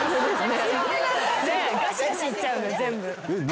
ガシガシいっちゃう全部。